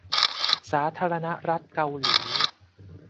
สาธารณรัฐเกาหลี